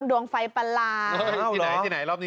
ดวงไฟประหลาด